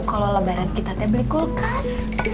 kalau lebaran kita teh beli kulkas